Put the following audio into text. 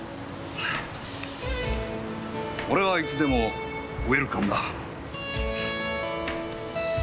俺はいつでもウエルカムだ。